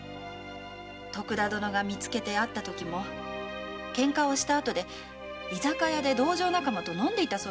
徳田殿が見つけて会ったときも喧嘩をしたあとで居酒屋で道場仲間と飲んでいたそうですよ。